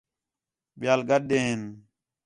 ٻِیال گڈدے ہین